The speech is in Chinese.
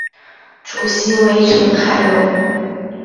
主席为成海荣。